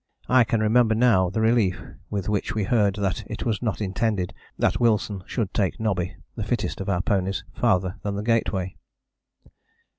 I can remember now the relief with which we heard that it was not intended that Wilson should take Nobby, the fittest of our ponies, farther than the Gateway.